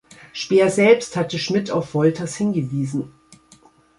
Speer selbst hatte Schmidt auf Wolters hingewiesen.